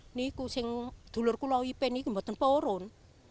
ini yang dulu aku lakukan ini bukan poron